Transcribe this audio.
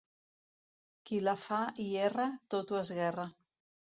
Qui la fa i erra, tot ho esguerra.